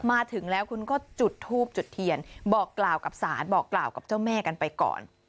มาถึงแล้วคุณก็จุดทูบจุดเทียนบอกกล่าวกับศาลบอกกล่าวกับเจ้าแม่กันไปก่อน